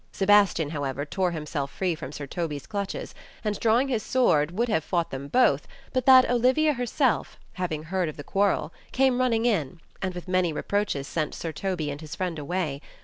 Sebastian, however, tore himself free from Sir Toby's clutches, and drawing his sword would have fought them both, but that Olivia herself, having heard of the quar rel came running in, and with many reproaches sent Sir Toby and his friend away.